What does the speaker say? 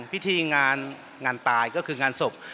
พิธีงานตายก็คืองานศพ